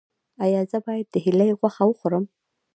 ایا زه باید د هیلۍ غوښه وخورم؟